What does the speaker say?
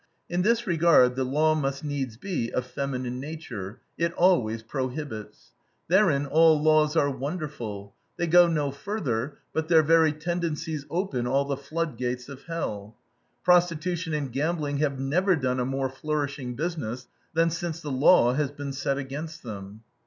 In this regard the law must needs be of feminine nature: it always prohibits. Therein all laws are wonderful. They go no further, but their very tendencies open all the floodgates of hell. Prostitution and gambling have never done a more flourishing business than since the law has been set against them.